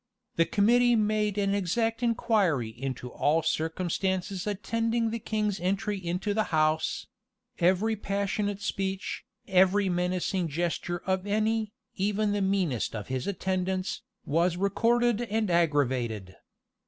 The committee made an exact inquiry into all circumstances attending the king's entry into the house: every passionate speech, every menacing gesture of any, even the meanest of his attendants, was recorded and aggravated.